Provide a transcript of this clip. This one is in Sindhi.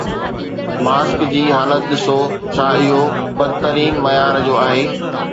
ماسڪ جي حالت ڏسو، ڇا اهو بدترين معيار جو آهي.